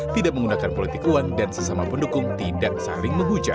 tidak menggunakan politik uang dan sesama pendukung tidak saling menghujan